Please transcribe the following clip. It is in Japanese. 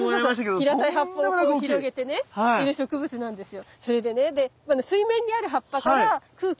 平たい葉っぱをこう広げてねいる植物なんですよ。